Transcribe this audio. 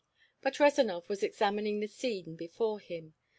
But Rezanov was examining the scene before him.